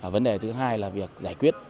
vấn đề thứ hai là việc giải quyết